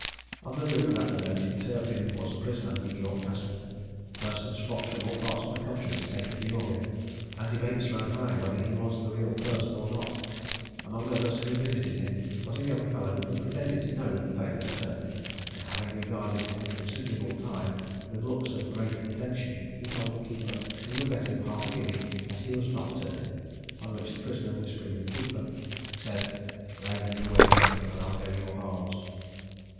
On the rumour that the noted Turpin was a prisoner in York Castle, persons flocked from all parts of the country to take a view of him, and debates ran high whether he was the real person or not. Among others who visited him was a young fellow who pretended to know the famous Turpin; and having regarded him a considerable time with looks of great attention, he told the keeper he would bet him half a guinea that he was not Turpin; on which the prisoner, whispering the keeper, said "Lay him the wager, and I'll go your halves."